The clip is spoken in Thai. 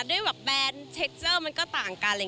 ด้วยแบบแบรนด์เทคเจอร์มันก็ต่างกัน